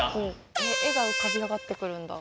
絵が浮かび上がってくるんだ。